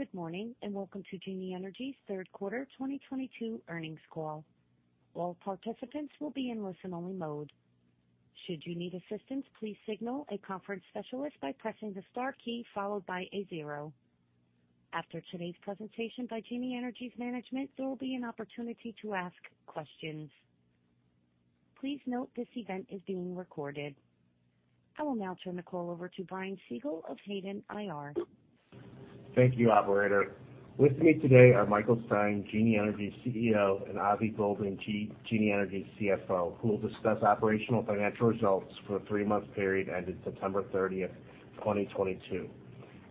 Good morning, and welcome to Genie Energy's third quarter 2022 earnings call. All participants will be in listen-only mode. Should you need assistance, please signal a conference specialist by pressing the star key followed by a zero. After today's presentation by Genie Energy's management, there will be an opportunity to ask questions. Please note this event is being recorded. I will now turn the call over to Brian Siegel of Hayden IR. Thank you, operator. With me today are Michael Stein, Genie Energy's CEO, and Avi Goldin, Genie Energy's CFO, who will discuss operational financial results for the three-month period ended September 30th, 2022.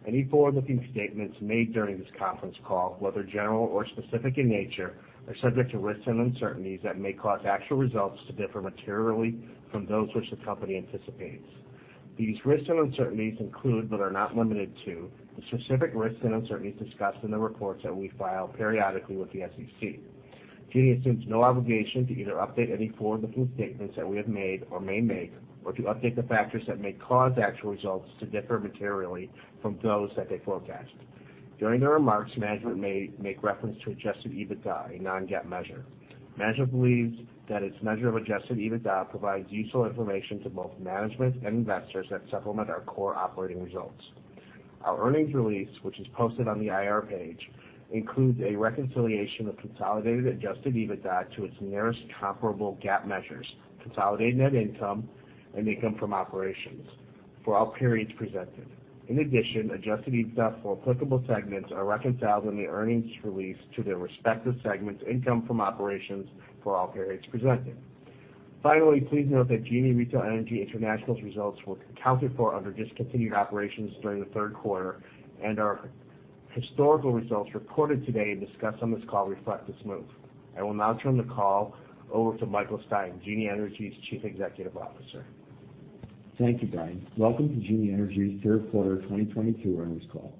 Any forward-looking statements made during this conference call, whether general or specific in nature, are subject to risks and uncertainties that may cause actual results to differ materially from those which the company anticipates. These risks and uncertainties include but are not limited to the specific risks and uncertainties discussed in the reports that we file periodically with the SEC. Genie assumes no obligation to either update any forward-looking statements that we have made or may make, or to update the factors that may cause actual results to differ materially from those that they forecast. During their remarks, management may make reference to adjusted EBITDA, a non-GAAP measure. Management believes that its measure of adjusted EBITDA provides useful information to both management and investors that supplement our core operating results. Our earnings release, which is posted on the IR page, includes a reconciliation of consolidated adjusted EBITDA to its nearest comparable GAAP measures, consolidated net income, and income from operations for all periods presented. In addition, adjusted EBITDA for applicable segments are reconciled in the earnings release to their respective segment's income from operations for all periods presented. Finally, please note that Genie Retail Energy International's results were accounted for under discontinued operations during the third quarter and our historical results reported today and discussed on this call reflect this move. I will now turn the call over to Michael Stein, Genie Energy's Chief Executive Officer. Thank you, Brian. Welcome to Genie Energy's third quarter 2022 earnings call.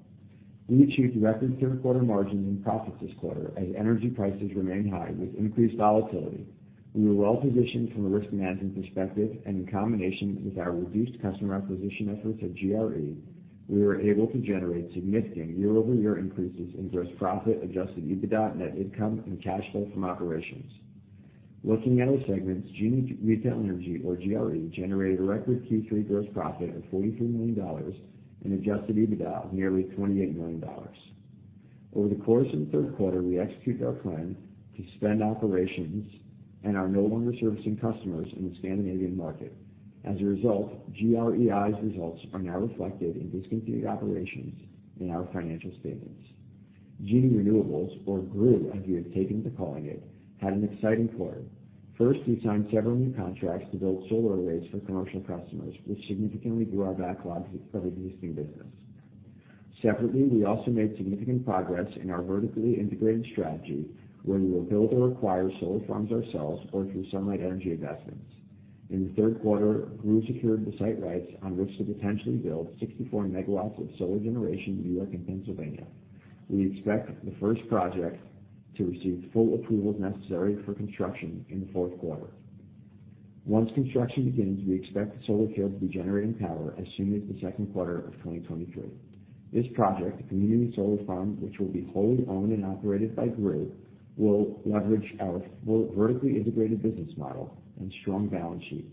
We achieved record third-quarter margins and profits this quarter as energy prices remain high with increased volatility. We were well-positioned from a risk management perspective, and in combination with our reduced customer acquisition efforts at GRE, we were able to generate significant year-over-year increases in gross profit, adjusted EBITDA, net income, and cash flow from operations. Looking at our segments, Genie Retail Energy or GRE, generated a record Q3 gross profit of $43 million and adjusted EBITDA of nearly $28 million. Over the course of the third quarter, we executed our plan to suspend operations and are no longer servicing customers in the Scandinavian market. As a result, GREI's results are now reflected in discontinued operations in our financial statements. Genie Renewables or GRU, as we have taken to calling it, had an exciting quarter. First, we signed several new contracts to build solar arrays for commercial customers, which significantly grew our backlog for the existing business. Separately, we also made significant progress in our vertically integrated strategy, where we will build or acquire solar farms ourselves or through Sunlight Energy Investments. In the third quarter, GRU secured the site rights on which to potentially build 64 megawatts of solar generation in New York and Pennsylvania. We expect the first project to receive full approvals necessary for construction in the fourth quarter. Once construction begins, we expect the solar field to be generating power as soon as the second quarter of 2023. This project, a community solar farm, which will be wholly owned and operated by GRU, will leverage our vertically integrated business model and strong balance sheet.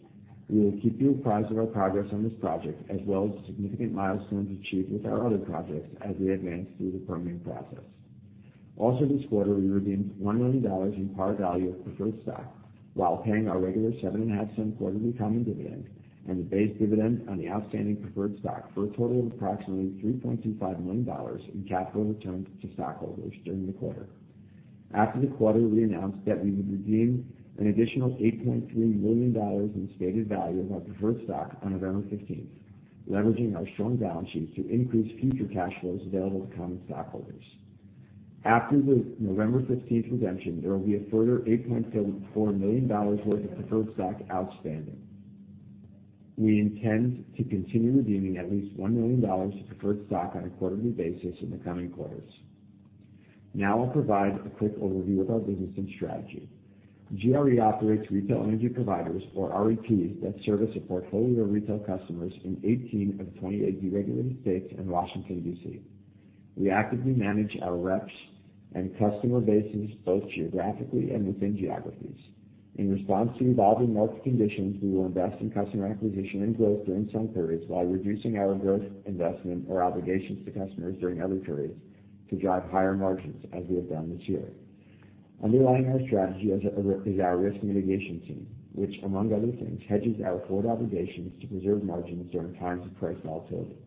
We will keep you apprised of our progress on this project, as well as the significant milestones achieved with our other projects as we advance through the permitting process. This quarter, we redeemed $1 million in par value of preferred stock while paying our regular $0.075 quarterly common dividend and the base dividend on the outstanding preferred stock for a total of approximately $3.25 million in capital returned to stockholders during the quarter. After the quarter, we announced that we would redeem an additional $8.3 million in stated value of our preferred stock on November 15th, leveraging our strong balance sheet to increase future cash flows available to common stockholders. After the November 15th redemption, there will be a further $8.4 million worth of preferred stock outstanding. We intend to continue redeeming at least $1 million of preferred stock on a quarterly basis in the coming quarters. I'll provide a quick overview of our business and strategy. GRE operates Retail Energy Providers or REPs that service a portfolio of retail customers in 18 of 28 deregulated states and Washington, D.C. We actively manage our REPs and customer bases, both geographically and within geographies. In response to evolving market conditions, we will invest in customer acquisition and growth during some periods while reducing our growth investment or obligations to customers during other periods to drive higher margins as we have done this year. Underlying our strategy is our risk mitigation team, which among other things, hedges our forward obligations to preserve margins during times of price volatility.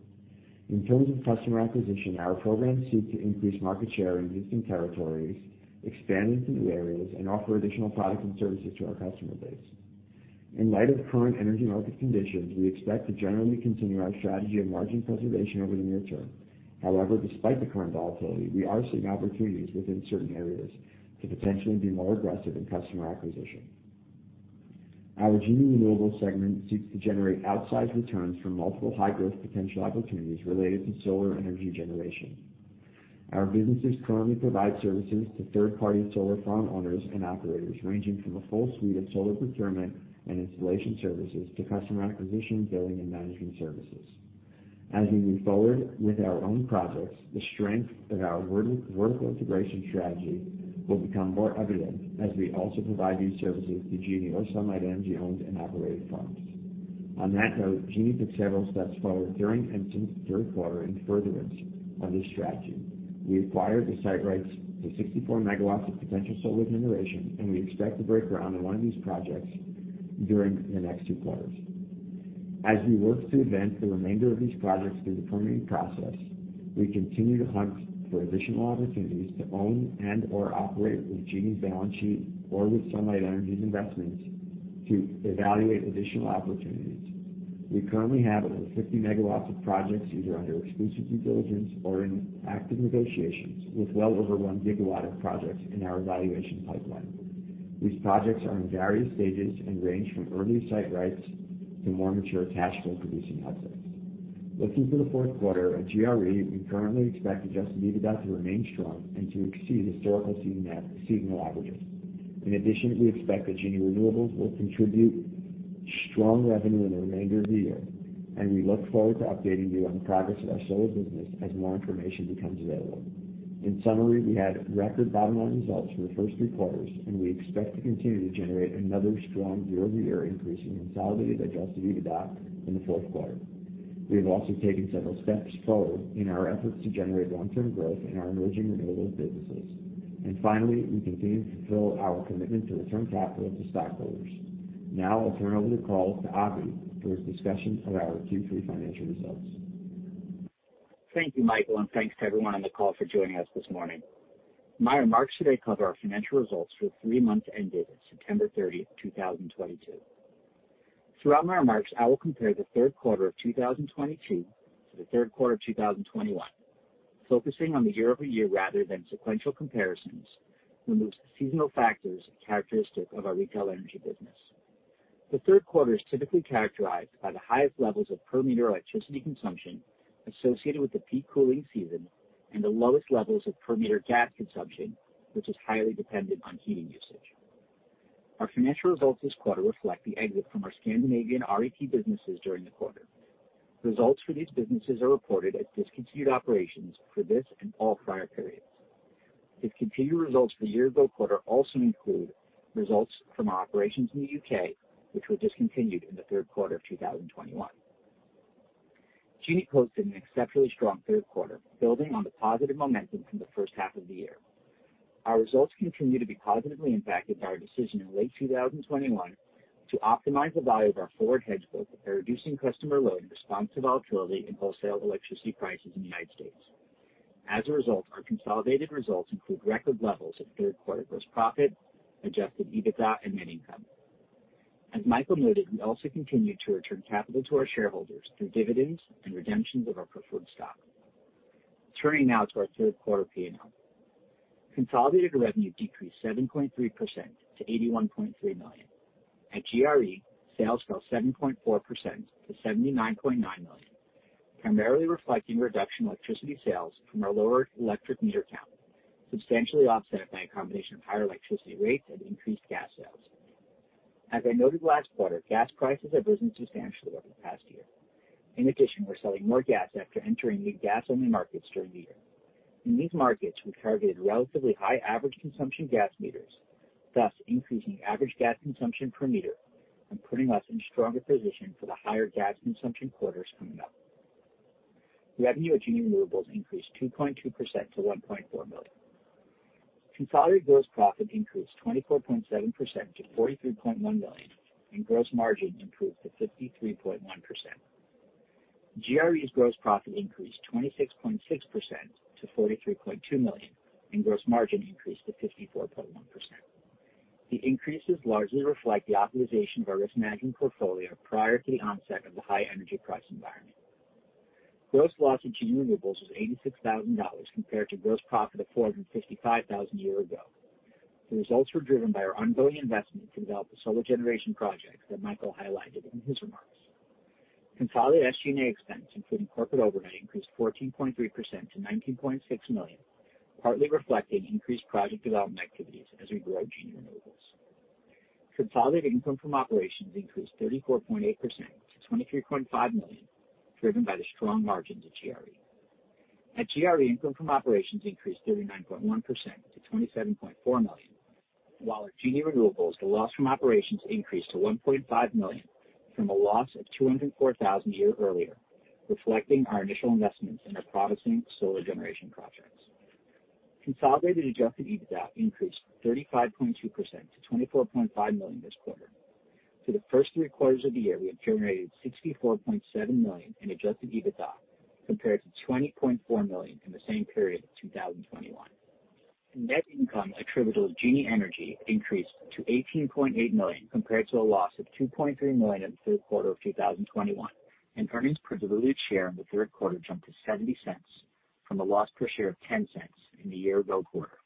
In terms of customer acquisition, our programs seek to increase market share in existing territories, expand into new areas, and offer additional products and services to our customer base. In light of current energy market conditions, we expect to generally continue our strategy of margin preservation over the near term. Despite the current volatility, we are seeing opportunities within certain areas to potentially be more aggressive in customer acquisition. Our Genie Renewables segment seeks to generate outsized returns from multiple high-growth potential opportunities related to solar energy generation. Our businesses currently provide services to third-party solar farm owners and operators, ranging from a full suite of solar procurement and installation services to customer acquisition, billing, and management services. As we move forward with our own projects, the strength of our vertical integration strategy will become more evident as we also provide these services to Genie or Sunlight Energy-owned and operated farms. On that note, Genie took several steps forward during the third quarter in furtherance of this strategy. We acquired the site rights to 64 megawatts of potential solar generation, and we expect to break ground on one of these projects during the next two quarters. As we work to advance the remainder of these projects through the permitting process, we continue to hunt for additional opportunities to own and/or operate with Genie's balance sheet or with Sunlight Energy Investments to evaluate additional opportunities. We currently have over 50 megawatts of projects either under exclusive due diligence or in active negotiations with well over one gigawatt of projects in our evaluation pipeline. These projects are in various stages and range from early site rights to more mature cash flow-producing assets. Looking to the fourth quarter at GRE, we currently expect adjusted EBITDA to remain strong and to exceed historical seasonal averages. In addition, we expect that Genie Renewables will contribute strong revenue in the remainder of the year, and we look forward to updating you on the progress of our solar business as more information becomes available. In summary, we had record bottom-line results for the first three quarters, and we expect to continue to generate another strong year-over-year increase in consolidated adjusted EBITDA in the fourth quarter. We have also taken several steps forward in our efforts to generate long-term growth in our emerging renewables businesses. Finally, we continue to fulfill our commitment to return capital to stockholders. Now I will turn over the call to Avi for his discussion of our Q3 financial results. Thank you, Michael, and thanks to everyone on the call for joining us this morning. My remarks today cover our financial results for the three months ended September 30th, 2022. Throughout my remarks, I will compare the third quarter of 2022 to the third quarter of 2021, focusing on the year-over-year rather than sequential comparisons, remove seasonal factors characteristic of our retail energy business. The third quarter is typically characterized by the highest levels of per-meter electricity consumption associated with the peak cooling season and the lowest levels of per-meter gas consumption, which is highly dependent on heating usage. Our financial results this quarter reflect the exit from our Scandinavian REP businesses during the quarter. Results for these businesses are reported as discontinued operations for this and all prior periods. Discontinued results for the year-ago quarter also include results from our operations in the U.K., which were discontinued in the third quarter of 2021. Genie posted an exceptionally strong third quarter, building on the positive momentum from the first half of the year. Our results continue to be positively impacted by our decision in late 2021 to optimize the value of our forward hedge book by reducing customer load in response to volatility in wholesale electricity prices in the United States. As a result, our consolidated results include record levels of third-quarter gross profit, adjusted EBITDA, and net income. As Michael noted, we also continued to return capital to our shareholders through dividends and redemptions of our preferred stock. Turning now to our third quarter P&L. Consolidated revenue decreased 7.3% to $81.3 million. At GRE, sales fell 7.4% to $79.9 million, primarily reflecting a reduction in electricity sales from our lower electric meter count, substantially offset by a combination of higher electricity rates and increased gas sales. As I noted last quarter, gas prices have risen substantially over the past year. In addition, we're selling more gas after entering new gas-only markets during the year. In these markets, we targeted relatively high average consumption gas meters, thus increasing average gas consumption per meter and putting us in a stronger position for the higher gas consumption quarters coming up. Revenue at Genie Renewables increased 2.2% to $1.4 million. Consolidated gross profit increased 24.7% to $43.1 million, and gross margin improved to 53.1%. GRE's gross profit increased 26.6% to $43.2 million, and gross margin increased to 54.1%. The increases largely reflect the optimization of our risk management portfolio prior to the onset of the high energy price environment. Gross loss at Genie Renewables was $86,000 compared to gross profit of $455,000 a year ago. The results were driven by our ongoing investment to develop the solar generation projects that Michael highlighted in his remarks. Consolidated SG&A expense, including corporate overhead, increased 14.3% to $19.6 million, partly reflecting increased project development activities as we grow Genie Renewables. Consolidated income from operations increased 34.8% to $23.5 million, driven by the strong margins at GRE. At GRE, income from operations increased 39.1% to $27.4 million, while at Genie Renewables, the loss from operations increased to $1.5 million from a loss of $204,000 a year earlier, reflecting our initial investments in our promising solar generation projects. Consolidated adjusted EBITDA increased 35.2% to $24.5 million this quarter. For the first three quarters of the year, we have generated $64.7 million in adjusted EBITDA compared to $20.4 million in the same period of 2021. Net income attributable to Genie Energy increased to $18.8 million compared to a loss of $2.3 million in the third quarter of 2021. Earnings per diluted share in the third quarter jumped to $0.70 from a loss per share of $0.10 in the year-ago quarter.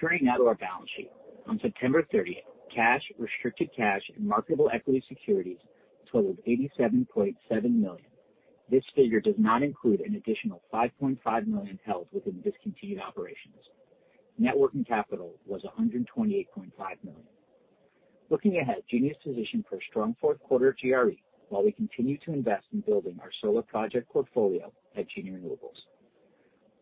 Turning now to our balance sheet. On September 30th, cash, restricted cash, and marketable equity securities totaled $87.7 million. This figure does not include an additional $5.5 million held within discontinued operations. Net working capital was $128.5 million. Looking ahead, Genie is positioned for a strong fourth quarter GRE while we continue to invest in building our solar project portfolio at Genie Renewables.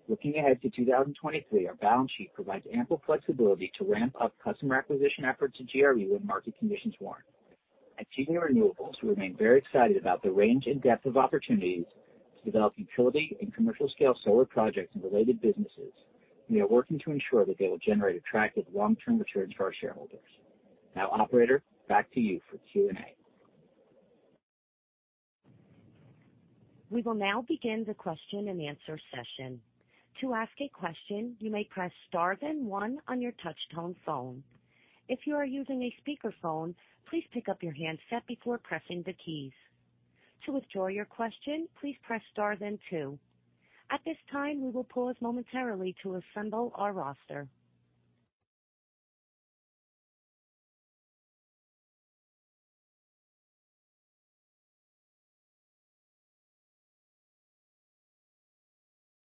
Looking ahead to 2023, our balance sheet provides ample flexibility to ramp up customer acquisition efforts to GRE when market conditions warrant. At Genie Renewables, we remain very excited about the range and depth of opportunities to develop utility and commercial-scale solar projects and related businesses, and we are working to ensure that they will generate attractive long-term returns for our shareholders. Now, operator, back to you for Q&A. We will now begin the question and answer session. To ask a question, you may press star then one on your touch-tone phone. If you are using a speakerphone, please pick up your handset before pressing the keys. To withdraw your question, please press star then two. At this time, we will pause momentarily to assemble our roster.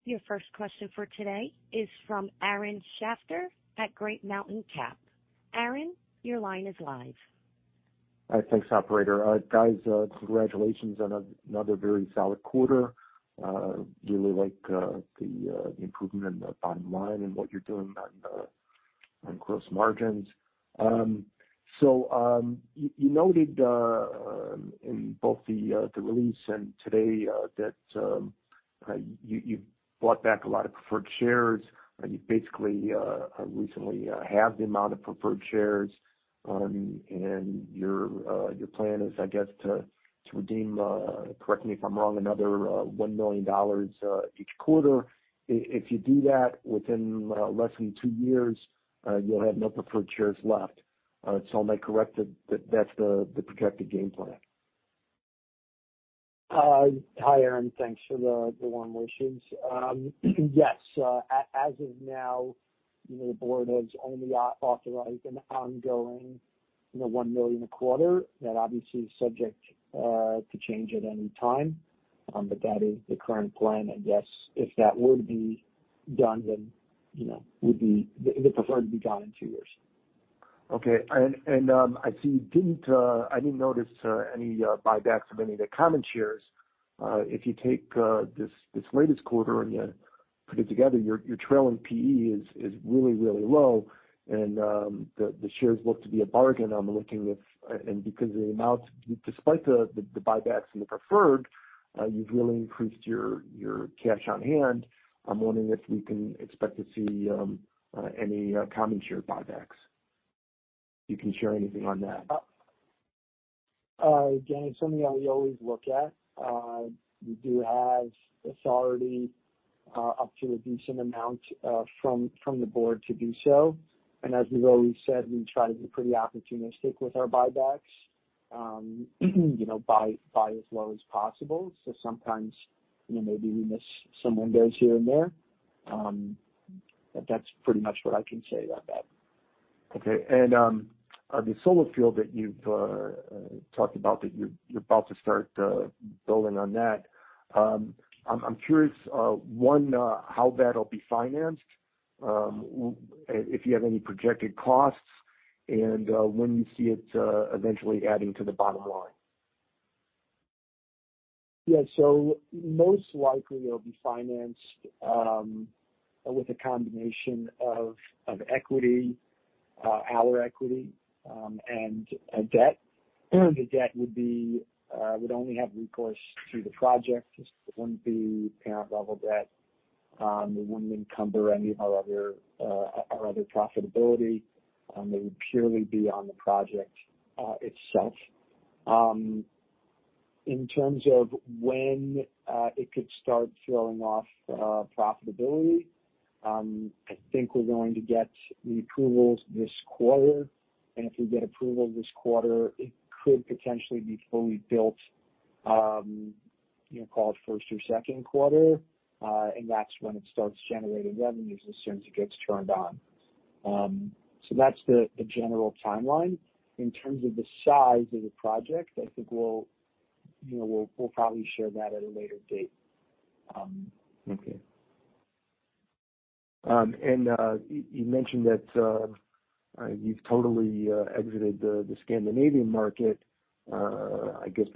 Your first question for today is from Aaron Shafter at Great Mountain Cap. Aaron, your line is live. Thanks, operator. Guys, congratulations on another very solid quarter. Really like the improvement in the bottom line and what you're doing on gross margins. You noted in both the release and today that you bought back a lot of preferred shares. You basically recently halved the amount of preferred shares. Your plan is, I guess, to redeem, correct me if I'm wrong, another $1 million each quarter. If you do that within less than two years, you'll have no preferred shares left. Am I correct that that's the projected game plan? Hi, Aaron. Thanks for the warm wishes. Yes. As of now, the board has only authorized an ongoing $1 million a quarter. That obviously is subject to change at any time, but that is the current plan. Yes, if that were to be done, then the preferred would be gone in two years. Okay. I didn't notice any buybacks of any of the common shares. If you take this latest quarter and you put it together, your trailing PE is really low, and the shares look to be a bargain. Despite the buybacks in the preferred, you've really increased your cash on hand. I'm wondering if we can expect to see any common share buybacks. If you can share anything on that. It's something that we always look at. We do have authority up to a decent amount from the board to do so. As we've always said, we try to be pretty opportunistic with our buybacks. Buy as low as possible. Sometimes, maybe we miss some windows here and there. That's pretty much what I can say about that. Okay. The solar field that you've talked about, that you're about to start building on that. I'm curious, one, how that'll be financed, if you have any projected costs, and when you see it eventually adding to the bottom line. Yeah. Most likely it'll be financed with a combination of equity, our equity, and a debt. The debt would only have recourse through the project. This wouldn't be parent-level debt. It wouldn't encumber any of our other profitability. It would purely be on the project itself. In terms of when it could start throwing off profitability, I think we're going to get the approvals this quarter. If we get approval this quarter, it could potentially be fully built, call it first or second quarter, and that's when it starts generating revenues, as soon as it gets turned on. That's the general timeline. In terms of the size of the project, I think we'll probably share that at a later date. Okay. You mentioned that you've totally exited the Scandinavian market. I guess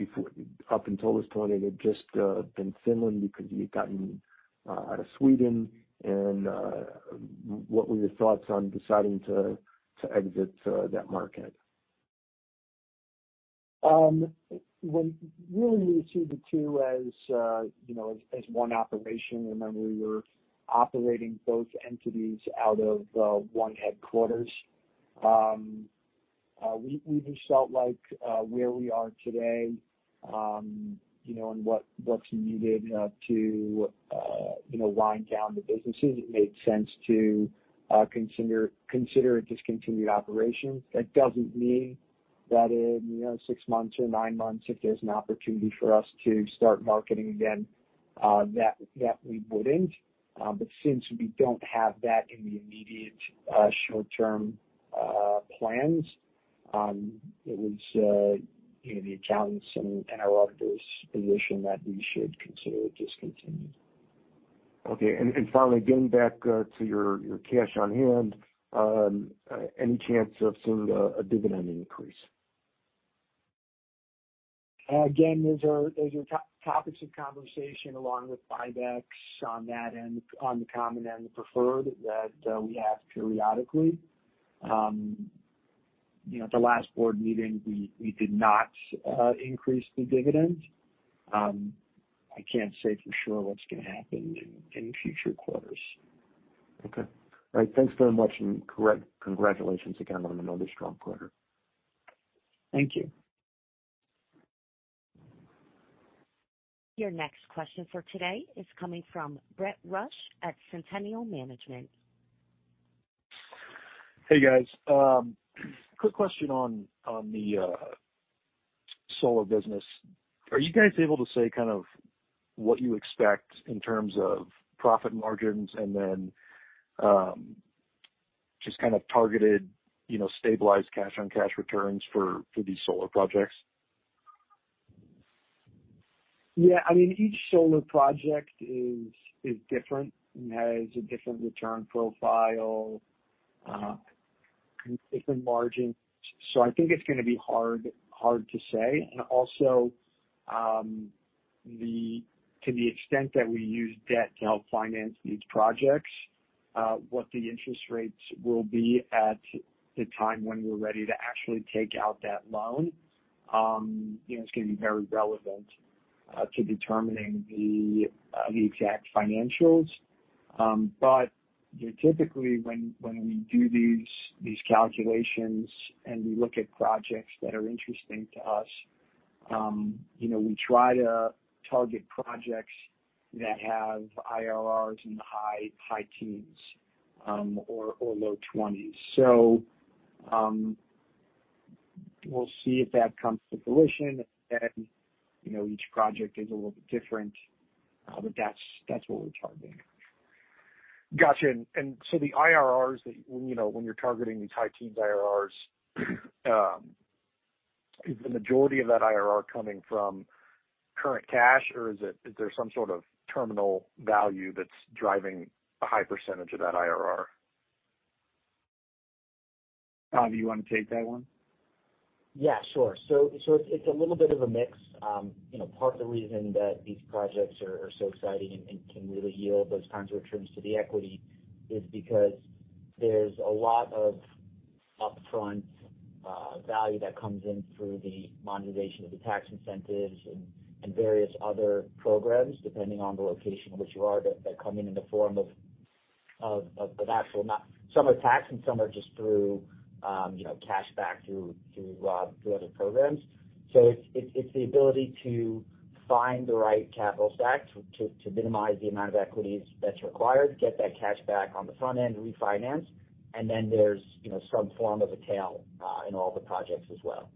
up until this point, it had just been Finland because you had gotten out of Sweden. What were your thoughts on deciding to exit that market? Well, really we see the two as one operation. Remember, we were operating both entities out of one headquarters. We just felt like where we are today, and what's needed to wind down the businesses, it made sense to consider it discontinued operations. That doesn't mean that in six months or nine months, if there's an opportunity for us to start marketing again That we wouldn't. Since we don't have that in the immediate short-term plans, it was the accountants and our auditors' position that we should consider it discontinued. Okay. Finally, getting back to your cash on hand, any chance of seeing a dividend increase? Again, those are topics of conversation along with buybacks on the common and the preferred that we have periodically. At the last board meeting, we did not increase the dividend. I can't say for sure what's going to happen in future quarters. Okay. All right, thanks very much, and congratulations again on another strong quarter. Thank you. Your next question for today is coming from Brett Rush at Centennial Management. Hey, guys. Quick question on the solar business. Are you guys able to say what you expect in terms of profit margins, and then just targeted stabilized cash on cash returns for these solar projects? Yeah, each solar project is different and has a different return profile, and different margins. I think it's going to be hard to say, and also, to the extent that we use debt to help finance these projects, what the interest rates will be at the time when we're ready to actually take out that loan, it's going to be very relevant to determining the exact financials. Typically, when we do these calculations, and we look at projects that are interesting to us, we try to target projects that have IRRs in the high teens or low 20s. We'll see if that comes to fruition, and each project is a little bit different. That's what we're targeting. Got you. The IRRs, when you're targeting these high teens IRRs, is the majority of that IRR coming from current cash, or is there some sort of terminal value that's driving a high percentage of that IRR? Tom, do you want to take that one? Yeah, sure. It's a little bit of a mix. Part of the reason that these projects are so exciting and can really yield those kinds of returns to the equity is because there's a lot of upfront value that comes in through the monetization of the tax incentives and various other programs, depending on the location of which you are, that come in in the form of. Some are tax, and some are just through cashback through other programs. It's the ability to find the right capital stack to minimize the amount of equities that's required, get that cashback on the front end, refinance, and then there's some form of a tail in all the projects as well.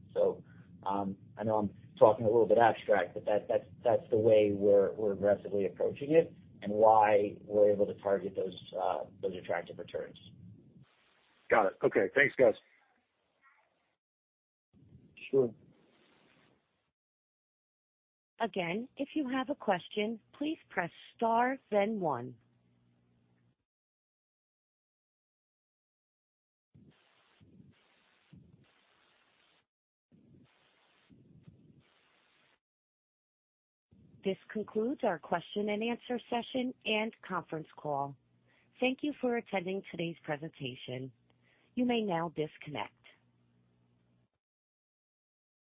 I know I'm talking a little bit abstract, that's the way we're aggressively approaching it and why we're able to target those attractive returns. Got it. Okay. Thanks, guys. Sure. Again, if you have a question, please press star then one. This concludes our question and answer session and conference call. Thank you for attending today's presentation. You may now disconnect.